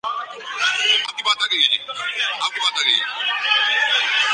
ضبط کا حوصلہ نہیں باقی